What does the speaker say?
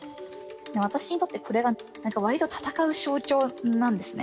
私にとってこれがわりと闘う象徴なんですね。